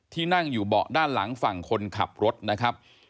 นั่งอยู่เบาะด้านหลังฝั่งคนขับรถนะครับ